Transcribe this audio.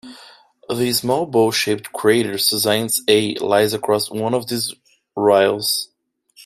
The small, bowl-shaped crater Sosignes A lies across one of these rilles.